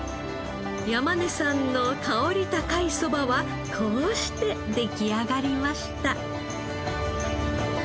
山根さんの香り高いそばはこうして出来上がりました。